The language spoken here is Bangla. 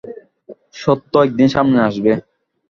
সত্য একদিন সামনে আসবে।